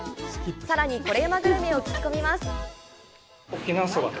さらにコレうまグルメを聞き込みます。